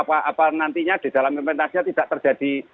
apa nantinya di dalam implementasinya tidak terjadi